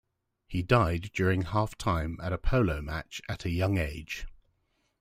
He died during half time at a polo match at a young age.